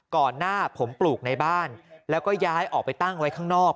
ก่อนหน้าผมปลูกในบ้านแล้วก็ย้ายออกไปตั้งไว้ข้างนอก